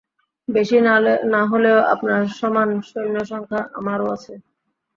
বেশি না হলেও আপনার সমান সৈন্য সংখ্যা আমারও আছে।